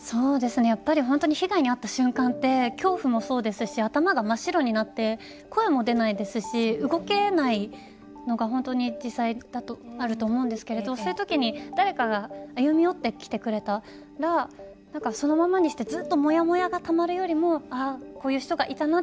やっぱり、本当に被害にあった瞬間って恐怖もそうですし頭が真っ白になって声も出ないですし、動けないのが本当に実際あると思うんですけどそういうときに誰かが歩み寄ってきてくれたらそのままにしてずっともやもやが、たまるよりも「こういう人がいたな」